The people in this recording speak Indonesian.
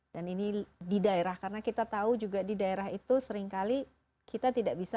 dan ini di daerah karena kita tahu juga di daerah itu seringkali kita tidak bisa